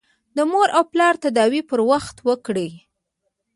د مور او پلار تداوي پر وخت وکړئ.